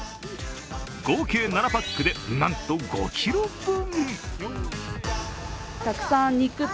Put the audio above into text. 合計７パックで、なんと５ｋｇ分。